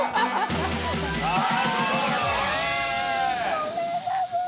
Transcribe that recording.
ごめんなさい。